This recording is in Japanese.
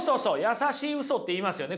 優しいウソって言いますよね